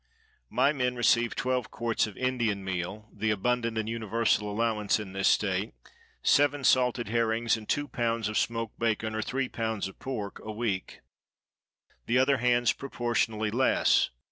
—My men receive twelve quarts of Indian meal (the abundant and universal allowance in this state), seven salted herrings, and two pounds of smoked bacon or three pounds of pork, a week; the other hands proportionally less.